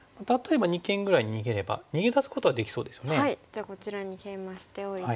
じゃあこちらにケイマしておいて。